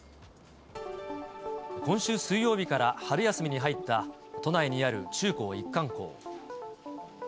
今週水曜日から春休みに入った都内にある中高一貫校。